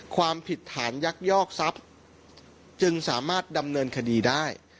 ความผิดฐานยักยอกทรัพย์จึงสามารถดำเนินคดีได้